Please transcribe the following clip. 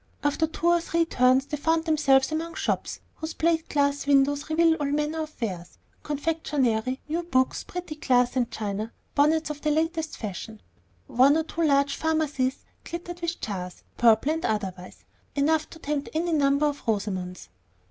After two or three turns they found themselves among shops, whose plate glass windows revealed all manner of wares, confectionery, new books, pretty glass and china, bonnets of the latest fashion. One or two large pharmacies glittered with jars purple and otherwise enough to tempt any number of Rosamonds.